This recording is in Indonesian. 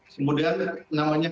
kemudian namanya k tiga